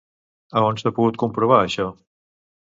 A on s'ha pogut comprovar això?